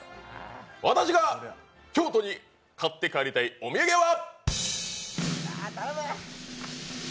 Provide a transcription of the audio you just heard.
私が京都に買って帰りたいお土産は！